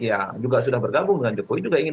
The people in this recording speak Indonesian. yang juga sudah bergabung dengan jokowi juga ingin